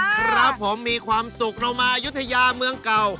ครับผมมีความสุขเรามายุธยาเมืองเก่า